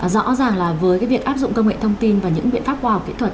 rõ ràng là với cái việc áp dụng công nghệ thông tin và những biện pháp khoa học kỹ thuật